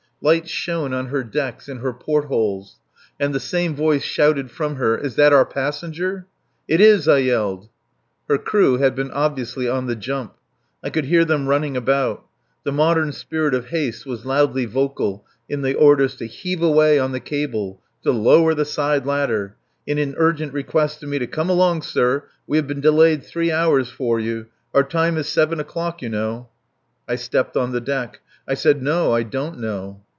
Lights shone on her decks, in her portholes. And the same voice shouted from her: "Is that our passenger?" "It is," I yelled. Her crew had been obviously on the jump. I could hear them running about. The modern spirit of haste was loudly vocal in the orders to "Heave away on the cable" to "Lower the sideladder," and in urgent requests to me to "Come along, sir! We have been delayed three hours for you. ... Our time is seven o'clock, you know!" I stepped on the deck. I said "No! I don't know."